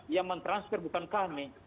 yang mentransfer bukan kami